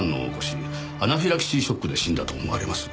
アナフィラキシーショックで死んだと思われます。